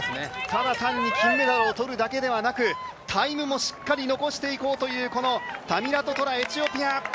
ただ単に金メダルを取るだけでなくタイムもしっかり残していこうというこのタミラト・トラエチオピア。